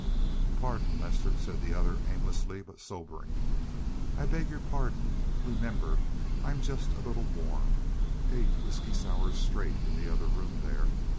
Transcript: "Pardon, Lester," said the other aimlessly, but sobering. "I beg your pardon. Remember, I'm just a little warm. Eight whisky sours straight in the other room there.